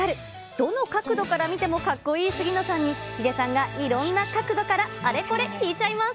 どの角度からも見てもかっこいい杉野さんに、ヒデさんがいろんな角度からあれこれ聞いちゃいます。